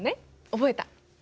覚えた。